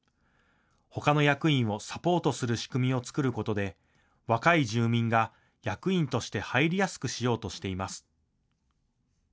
ほかの役員をサポートする仕組みを作ることで若い住民が役員として入りやすくしようとしています。